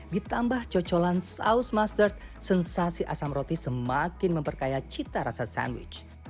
ditambah cocolan saus masterd sensasi asam roti semakin memperkaya cita rasa sandwich